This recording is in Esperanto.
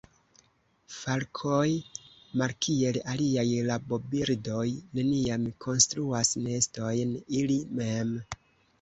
Falkoj malkiel aliaj rabobirdoj neniam konstruas nestojn ili mem.